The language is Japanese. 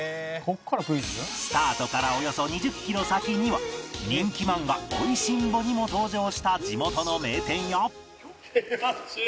スタートからおよそ２０キロ先には人気漫画『美味しんぼ』にも登場した地元の名店や